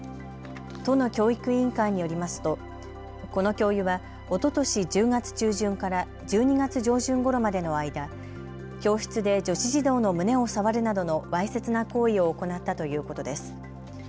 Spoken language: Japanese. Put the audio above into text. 都の教育委員会によりますとこの教諭は、おととし１０月中旬から１２月上旬ごろまでの間、教室で女子児童の胸を触るなどのわいせつな行為を行ったということです。